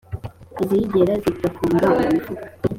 Iziyigera zikagonga mu mifuka.